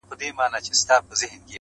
o کار چي په سلا سي، بې بلا سي٫